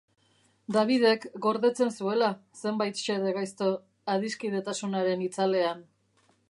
Dabidek gordetzen zuela zenbait xede gaizto adiskidetasunaren itzalean.